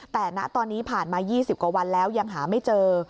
แต่ณตอนนี้ผ่านมา๒๐กว่าวันแล้วยังหาไม่เจอ